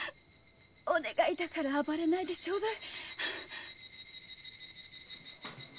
お願いだから暴れないでちょうだい。